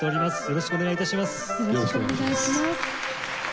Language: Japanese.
よろしくお願いします。